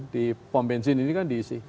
di pom bensin ini kan diisi